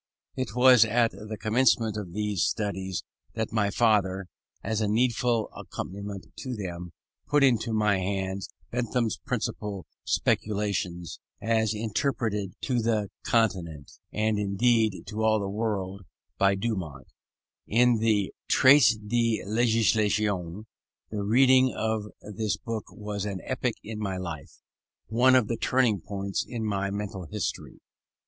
It was at the commencement of these studies that my father, as a needful accompaniment to them, put into my hands Bentham's principal speculations, as interpreted to the Continent, and indeed to all the world, by Dumont, in the Traité de Législation. The reading of this book was an epoch in my life; one of the turning points in my mental history.